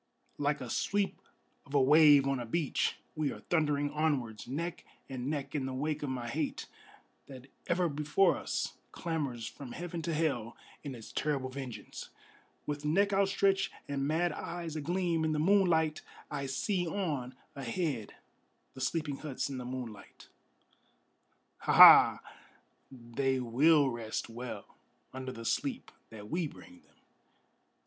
Like a sweep of a wave on a beach we are thundering onwards, Neck and neck in the wake of my hate, that ever before us Clamors from heaven to hell in its terrible vengeance! With neck outstretched and mad eyes agleam in the moonlight, I see on ahead the sleeping huts in the moonlight. Ha! Ha! they will rest well under the sleep that we bring them!